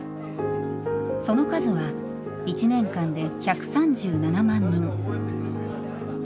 その数は１年間で１３７万人。